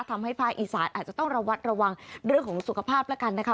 ภาคอีสานอาจจะต้องระวัดระวังเรื่องของสุขภาพแล้วกันนะคะ